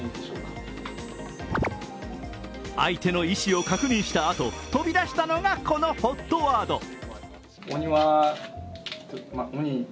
相手の意思を確認したあと飛び出したのがこのＨＯＴワード。